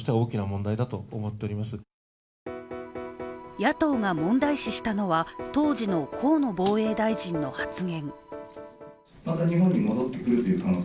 野党が問題視したのは当時の河野防衛大臣の発言。